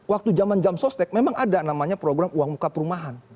waktu zaman jam sostek memang ada namanya program uang muka perumahan